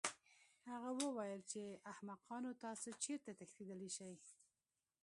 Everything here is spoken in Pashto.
هغه وویل چې احمقانو تاسو چېرته تښتېدلی شئ